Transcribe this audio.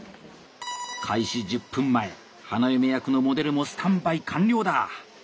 開始１０分前花嫁役のモデルもスタンバイ完了だ。